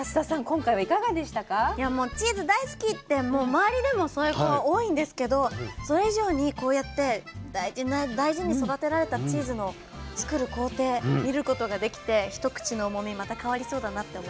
チーズ大好きって周りでもそういう子が多いんですけどそれ以上にこうやって大事に大事に育てられたチーズの作る工程見ることができて一口の重みまた変わりそうだなって思いました。